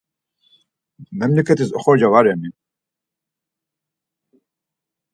Memleketis oxorca va reni?